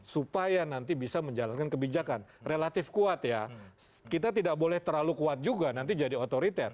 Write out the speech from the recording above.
supaya nanti bisa menjalankan kebijakan relatif kuat ya kita tidak boleh terlalu kuat juga nanti jadi otoriter